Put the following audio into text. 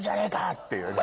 っていうね。